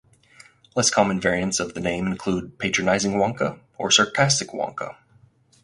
Less common variants of the name include Patronizing Wonka or Sarcastic Wonka.